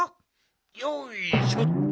よいしょっと。